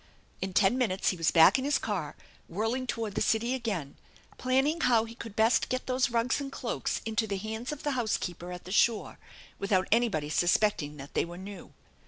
In ten minutes he was back in his car, whirling toward the city again, planning how he could best get those rugs and cloaks into the hands of the housekeeper at the shore without anybody suspecting that they were new.